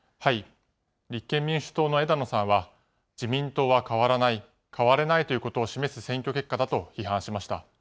立憲民主党の枝野さんは、自民党は変わらない、変われないということを示す選挙結果だと批判しました。